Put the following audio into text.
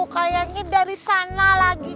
kayaknya dari sana lagi